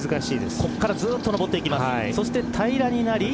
ここからずっと登っていきます。